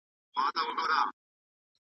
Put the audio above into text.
د ماشوم د ملا سم ملاتړ ودې ته ګټه رسوي.